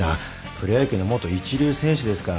プロ野球の元一流選手ですからね。